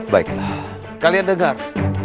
baiklah kalian dengar